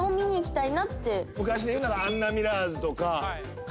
昔で言うならアンナミラーズとか。